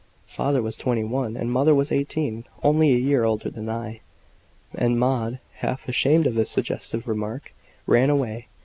"Father was twenty one and mother was eighteen only a year older than I." And Maud, half ashamed of this suggestive remark, ran away.